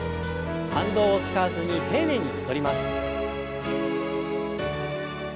反動を使わずに丁寧に戻ります。